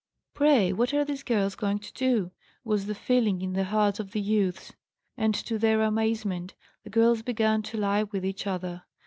'Pray, what are these girls going to do?' was the feeling in the hearts of the youths. And to their amazement the girls began to lie with each other.